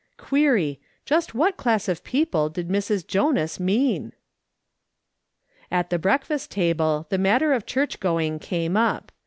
Query : Just what class of people did ]\Irs. Jonas mean ? At the breakfast table the matter of church going came up.